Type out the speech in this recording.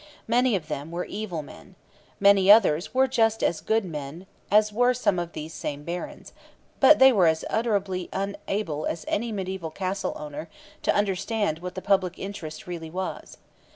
Many of them were evil men. Many others were just as good men as were some of these same barons; but they were as utterly unable as any medieval castle owner to understand what the public interest really was.